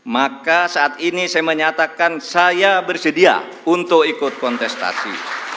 maka saat ini saya menyatakan saya bersedia untuk ikut kontestasi